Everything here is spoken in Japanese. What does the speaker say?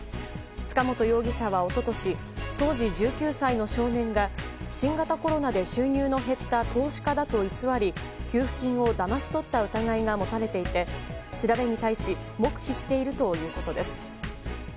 塚本容疑者は一昨年当時１９歳の少年が新型コロナで収入の減った投資家だと偽り給付金をだまし取った疑いが持たれていて調べに対し黙秘しているということです。